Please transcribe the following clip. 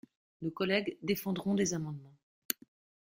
Nos collègues défendront des amendements.